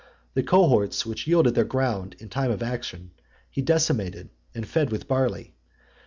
The cohorts which yielded their ground in time of action, he decimated, and fed with barley.